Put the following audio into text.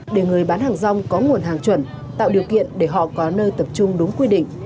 để người bán hàng rong có nguồn hàng chuẩn tạo điều kiện để họ có nơi tập trung đúng quy định